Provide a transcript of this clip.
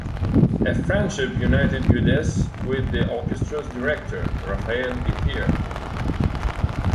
A friendship united Guedes with the orchestra's director, Rafael Ithier.